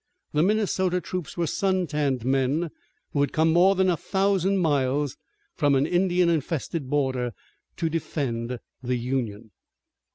The Minnesota troops were sun tanned men who had come more than a thousand miles from an Indian infested border to defend the Union.